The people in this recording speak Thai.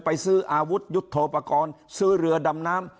ไปซื้ออาวุธยุทธโปรกรณ์ซื้อเรือดำน้ำ